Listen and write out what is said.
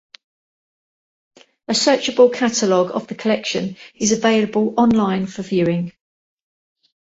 A searchable catalogue of the collection is available on-line for viewing.